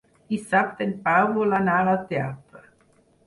Dissabte en Pau vol anar al teatre.